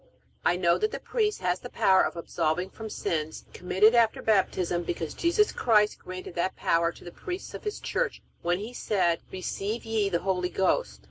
I know that the priest has the power of absolving from the sins committed after Baptism, because Jesus Christ granted that power to the priests of His Church when He said: "Receive ye the Holy Ghost.